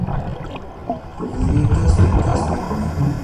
Publicó dos libros de poemas.